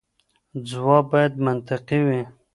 ځواب باید منطقي وي.